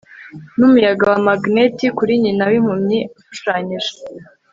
numuyaga wa magneti kuri nyina wimpumyi ushushanyije